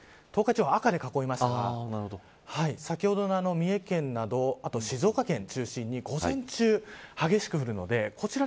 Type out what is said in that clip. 赤で囲みましたが先ほどの三重県などあと静岡県を中心に午前中激しく降るのでこちら